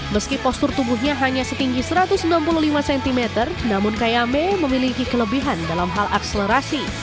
meski postur tubuhnya hanya setinggi satu ratus enam puluh lima cm namun kayame memiliki kelebihan dalam hal akselerasi